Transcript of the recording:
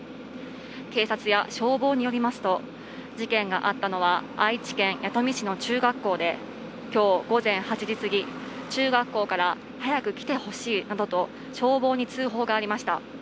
警察や消防によりますと事件があったのは愛知県弥富市の中学校で今日、午前８時すぎ中学校から早く来てほしいなどと消防に通報がありました。